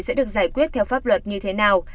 sẽ được giải quyết theo pháp luật như thế nào